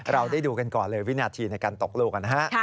เราได้ดูกันก่อนเลยวินาทีในการตกลูกนะฮะ